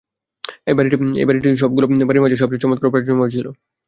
এই বাড়ীটি সবগুলো বাড়ীর মাঝে সবচেয়ে চমৎকার ও প্রাচুর্যময় ছিল।